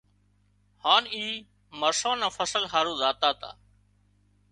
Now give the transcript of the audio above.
هانَ اي مرسان نا فصل هارو زاتا تا